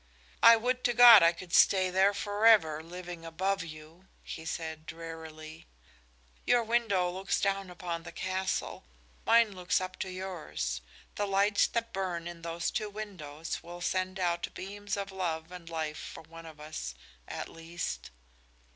"I would to God I could stay there forever, living above you," he said, drearily. "Your window looks down upon the castle; mine looks up to yours. The lights that burn in those two windows will send out beams of love and life for one of us, at least."